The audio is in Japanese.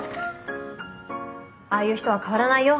ああいう人は変わらないよ